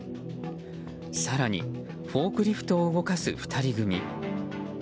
更にフォークリフトを動かす２人組。